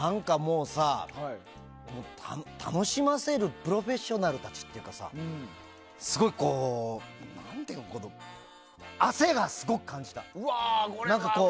楽しませるプロフェッショナルな人たちというかすごい、汗がすごく感じた。